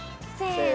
せの。